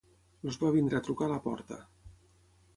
Els va venir a trucar a la porta.